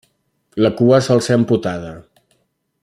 La cua sol ser amputada.